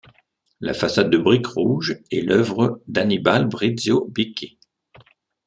La façade de brique rouge est l'œuvre d'Annibale-Brizio Bichi.